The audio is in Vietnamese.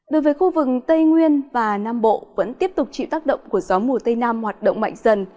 đối với khu vực tây nguyên và nam bộ vẫn tiếp tục chịu tác động của gió mùa tây nam hoạt động mạnh dần